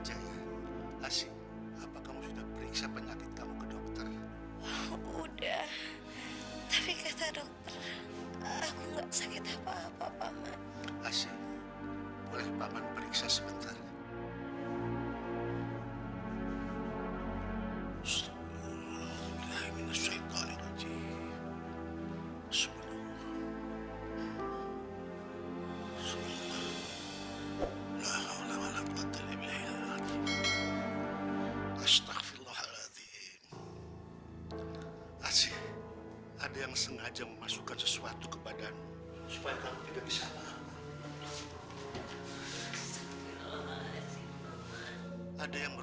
asyik harus segala kita obatin dia akan tetap membela suaminya